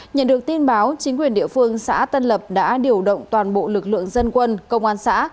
nhận được tin báo chính quyền địa phương xã tân lập đã điều động toàn bộ lực lượng dân quân công an xã